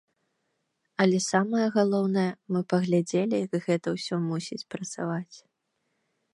Але самае галоўнае, мы паглядзелі, як гэта ўсё мусіць працаваць.